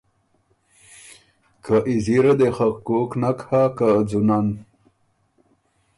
که اېزیره دې خه کوک نک هۀ که ځُونن،